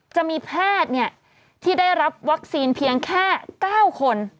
จะมีแพทย์ที่ได้รับวัคซีนเพียงแค่๙คน